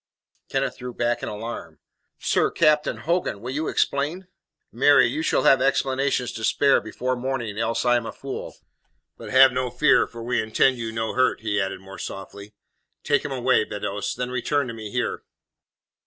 Kenneth drew back in alarm. "Sir Captain Hogan will you explain?" "Marry, you shall have explanations to spare before morning, else I'm a fool. But have no fear, for we intend you no hurt," he added more softly. "Take him away, Beddoes; then return to me here."